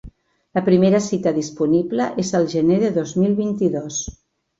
La primera cita disponible és al gener de dos mil vint-i-dos.